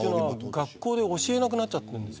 学校で教えなくなっちゃった。